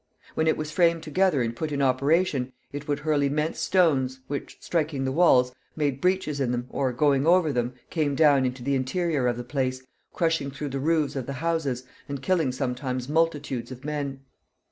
When it was framed together and put in operation, it would hurl immense stones, which, striking the walls, made breaches in them, or, going over them, came down into the interior of the place, crushing through the roofs of the houses, and killing sometimes multitudes of men.